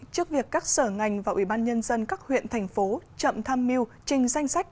trước việc các sở ngành và ủy ban nhân dân các huyện thành phố chậm tham mưu trình danh sách